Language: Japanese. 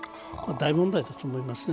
大問題だと思いますね。